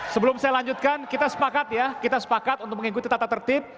sebelum saya lanjutkan kita sepakat ya kita sepakat untuk mengikuti tata tertib